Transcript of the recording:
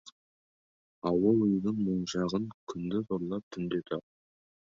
Ауыл үйдің моншағын күндіз ұрлап, түнде тақ.